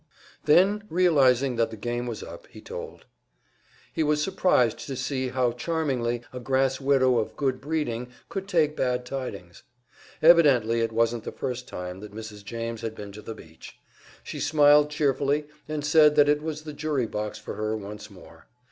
Then, realizing that the game was up, he told. He was surprised to see how charmingly a grass widow of "good breeding" could take bad tidings. Evidently it wasn't the first time that Mrs. James had been to the beach. She smiled cheerfully, and said that it was the jury box for her once more.